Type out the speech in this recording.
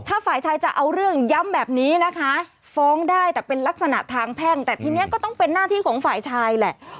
ถ้าฝ่ายชายจะเอาเรื่องย้ำแบบนี้นะคะฟ้องได้แต่เป็นลักษณะทางแพ่งแต่ทีนี้ก็ต้องเป็นหน้าที่ของฝ่ายชายแหละ